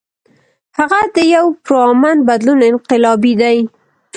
هغه د يو پُرامن بدلون انقلابي دے ۔